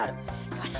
よし。